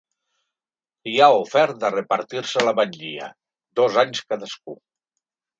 Li ha ofert de repartir-se la batllia, dos anys cadascú.